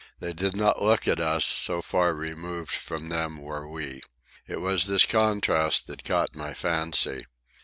They did not look at us, so far removed from them were we. It was this contrast that caught my fancy.